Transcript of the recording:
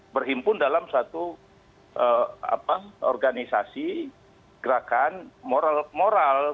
berhimpun dalam satu organisasi gerakan moral moral